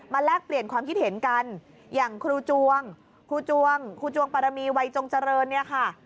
แลกเปลี่ยนความคิดเห็นกันอย่างครูจวงครูจวงครูจวงปรมีวัยจงเจริญเนี่ยค่ะ